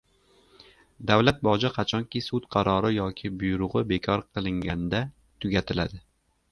Davlat boji qachonki sud qarori yoki buyrugʻi bekor qilinganda tugatiladi.